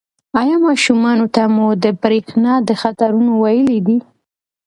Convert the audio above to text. ایا ماشومانو ته مو د برېښنا د خطرونو ویلي دي؟